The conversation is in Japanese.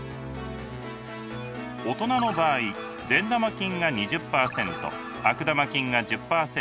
大人の場合善玉菌が２０％悪玉菌が１０％